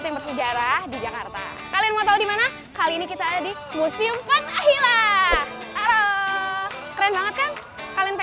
nah bungkus ya